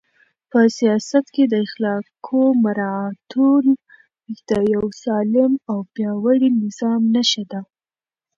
په سیاست کې د اخلاقو مراعاتول د یو سالم او پیاوړي نظام نښه ده.